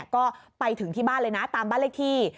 ก็ไปถึงที่บ้านเลยนะตามบ้านเลขที่